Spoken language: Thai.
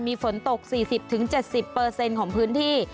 มีฝนตก๔๐๗๐เปอร์เซ็นต์ของพื้นที่